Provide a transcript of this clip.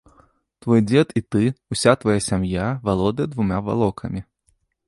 Твой дзед і ты, уся твая сям'я валодае двума валокамі.